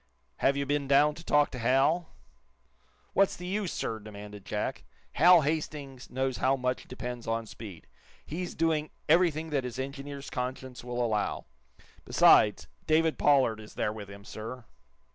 "Have you been down to talk to Hal?" "What's the use, sir?" demanded Jack. "Hal Hastings knows how much depends on speed. He's doing everything that his engineer's conscience will allow. Besides, David Pollard is there with him, sir."